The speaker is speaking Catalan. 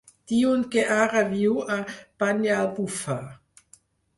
Diuen que ara viu a Banyalbufar.